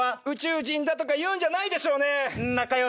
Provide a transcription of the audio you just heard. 「宇宙人だ」とか言うんじゃないでしょうね？